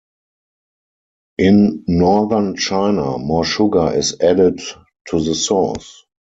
In northern China, more sugar is added to the sauce.